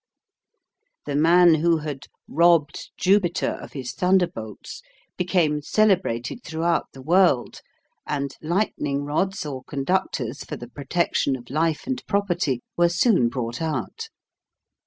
The man who had "robbed Jupiter of his thunderbolts" became celebrated throughout the world, and lightning rods or conductors for the protection of life and property were soon brought out.